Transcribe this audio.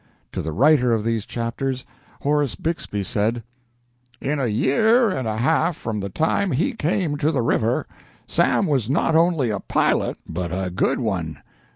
To the writer of these chapters, Horace Bixby said: "In a year and a half from the time he came to the river, Sam was not only a pilot, but a good one.